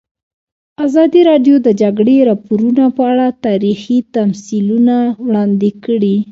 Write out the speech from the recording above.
ازادي راډیو د د جګړې راپورونه په اړه تاریخي تمثیلونه وړاندې کړي.